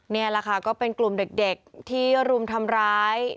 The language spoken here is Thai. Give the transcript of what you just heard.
นี่แหละค่ะก็เป็นกลุ่มเด็กที่รุมทำร้าย